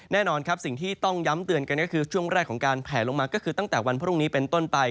แน่นอนครับสิ่งที่ต้องย้ำเตือนกันก็คือช่วงแรกของการแผลลงมาก็คือตั้งแต่วันพรุ่งนี้เป็นต้นไป